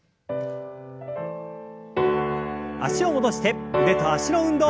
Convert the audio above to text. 脚を戻して腕と脚の運動。